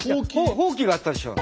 ほうきがあったでしょ？